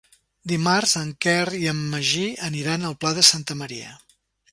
Dimarts en Quer i en Magí aniran al Pla de Santa Maria.